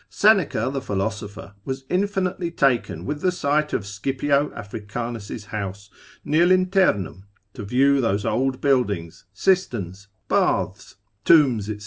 Seneca the philosopher was infinitely taken with the sight of Scipio Africanus' house, near Linternum, to view those old buildings, cisterns, baths, tombs, &c.